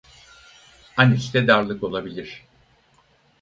Anüste darlık olabilir.